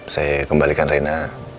saya kembalikan rena